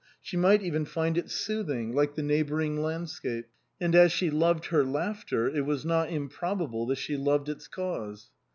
She might even find it " soothing," like 61 THE COSMOPOLITAN the neighbouring landscape. And as she loved her laughter, it was not improbable that she loved its cause.